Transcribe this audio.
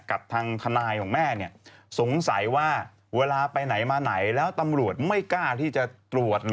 เอามาเป็นยันการตรวจซะ